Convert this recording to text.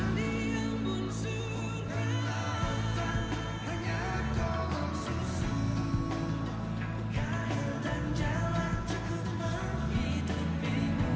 mewakili panglima angkatan bersenjata singapura